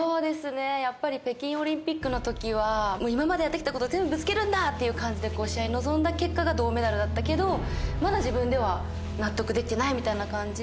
やっぱり北京オリンピックのときは今までやってきたこと全部ぶつけるんだって感じで試合に臨んだ結果が銅メダルだったけどまだ自分では納得できてないみたいな感じで